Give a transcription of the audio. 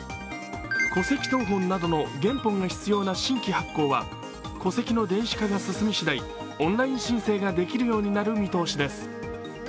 戸籍謄本などの原本が必要な新規発行は戸籍の電子化が進み次第、オンライン申請ができるようになる見通しです。